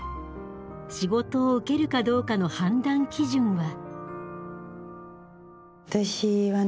仕事を受けるかどうかの判断基準は。